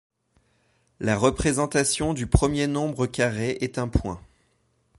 La représentation du premier nombre carré est un point.